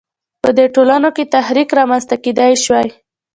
په دې ټولنو کې تحرک رامنځته کېدای شوای.